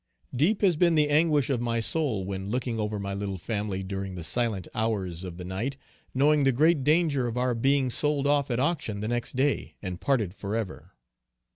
Deep has been the anguish of my soul when looking over my little family during the silent hours of the night, knowing the great danger of our being sold off at auction the next day and parted forever.